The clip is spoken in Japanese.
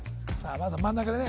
まずは真ん中でね